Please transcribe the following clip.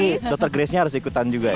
kalau ini dr grace nya harus ikutan juga ya